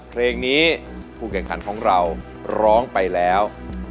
เพลงนี้ผู้แข่งขันของเราร้องไปแล้ว